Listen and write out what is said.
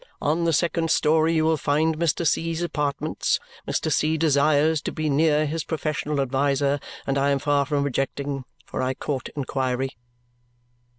On the second story you will find Mr. C.'s apartments. Mr. C. desires to be near his professional adviser, and I am far from objecting, for I court inquiry."